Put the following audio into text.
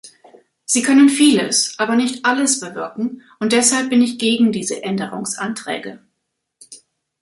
Sie können vieles, aber nicht alles bewirken, und deshalb bin ich gegen diese Änderungsanträge.